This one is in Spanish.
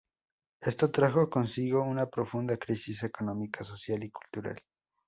Esto trajo consigo una profunda crisis económica-social y cultural.